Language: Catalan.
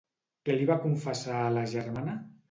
Què li va confessar a la germana?